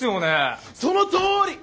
そのとおり！